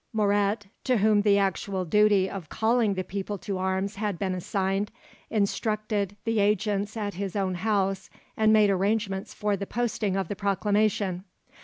Moret, to whom the actual duty of calling the people to arms had been assigned, instructed his agents at his own house and made arrangements for the posting of the proclamation.